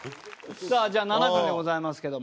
さあじゃあ７分でございますけども。